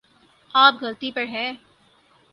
آپ غلطی پر ہیں